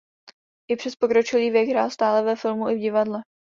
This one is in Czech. I přes pokročilý věk hrál stále ve filmu i v divadle.